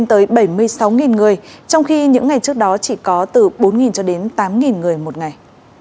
từ bốn cho đến tám người một ngày